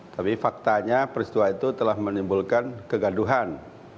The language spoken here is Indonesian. tapi faktanya peristiwa itu telah menimbulkan kegaduhan